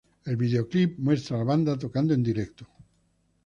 El videoclip muestra a la banda tocando en vivo.